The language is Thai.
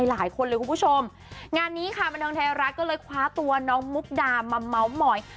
หลายคนเลยคุณผู้ชมงานนี้ค่ะบันเทิงไทยรัฐก็เลยคว้าตัวน้องมุกดามาเม้าหมอย